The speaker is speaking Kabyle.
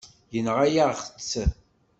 Yenɣa-yaɣ-tt.